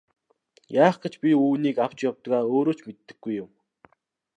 Яах гэж би үүнийг авч явдгаа өөрөө ч мэддэггүй юм.